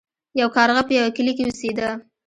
یو کارغه په یوه کلي کې اوسیده.